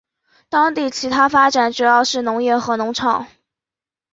当地其它发展主要是农业和农场。